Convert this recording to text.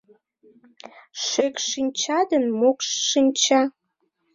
Шекш-шинча ден Мокш-шинча